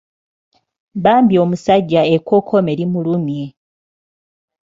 Bambi omusajja ekkokkome limulumye!